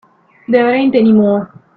There ain't any more.